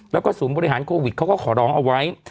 แล้วก็ศูนย์บริหารโควิดเขาก็ขอร้องเอาไว้